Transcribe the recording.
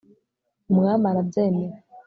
umwami arabyemera